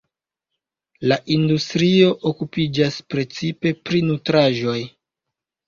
La industrio okupiĝas precipe pri nutraĵoj.